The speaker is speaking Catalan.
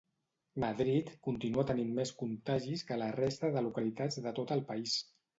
Madrid continua tenint més contagis que la resta de localitats de tot el país.